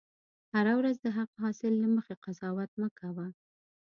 هره ورځ د هغه حاصل له مخې قضاوت مه کوه.